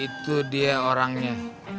itu dia orangnya